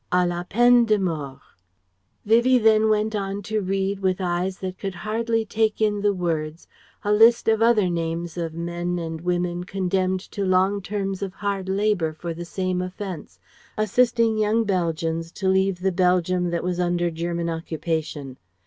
À LA PEINE DE MORT Vivie then went on to read with eyes that could hardly take in the words a list of other names of men and women condemned to long terms of hard labour for the same offence assisting young Belgians to leave the Belgium that was under German occupation.